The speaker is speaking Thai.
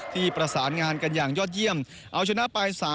ประสานงานกันอย่างยอดเยี่ยมเอาชนะไป